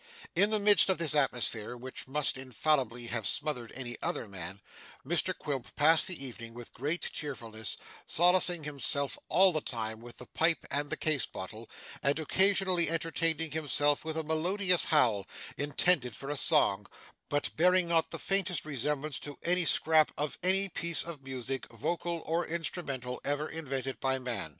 In the midst of this atmosphere, which must infallibly have smothered any other man, Mr Quilp passed the evening with great cheerfulness; solacing himself all the time with the pipe and the case bottle; and occasionally entertaining himself with a melodious howl, intended for a song, but bearing not the faintest resemblance to any scrap of any piece of music, vocal or instrumental, ever invented by man.